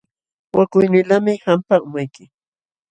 Wakuynilaqmi qampa umayki.